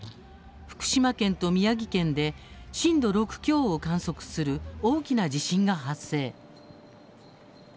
福島県と宮城県で震度６強を観測する大きな地震が発生。